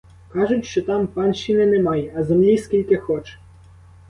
Кажуть, що там панщини немає, а землі скільки хоч.